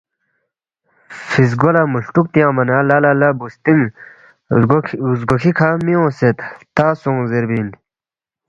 فِیزگو لہ مُولٹُوک تیانگما نہ، لہ لہ لہ بُوسترِنگ، زگوکھی کھہ می اونگسید، ہلتا سونگ زیربی اِن